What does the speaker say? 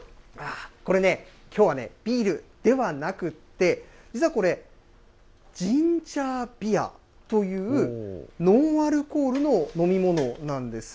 これね、きょうはね、ビールではなくって、実はこれ、ジンジャービアという、ノンアルコールの飲み物なんです。